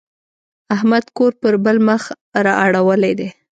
احمد کور پر بل مخ را اړولی دی.